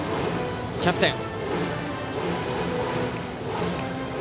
キャプテン。